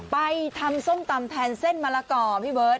ไปทำส้มตำแทนเส้นมะละก่อพี่เบิร์ต